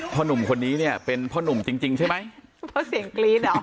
หนุ่มคนนี้เนี่ยเป็นพ่อนุ่มจริงจริงใช่ไหมเพราะเสียงกรี๊ดเหรอ